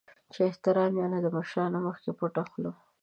چې احترام یعنې د مشرانو مخکې پټه خوله .